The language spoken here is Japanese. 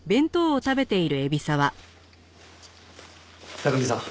拓海さん